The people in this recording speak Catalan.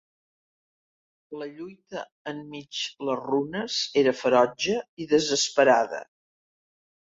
La lluita enmig les runes era ferotge i desesperada.